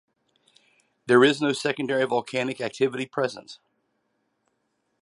There is no secondary volcanic activity present.